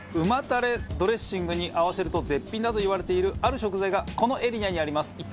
旨たれドレッシングに合わせると絶品だと言われているある食材がこのエリアにあります。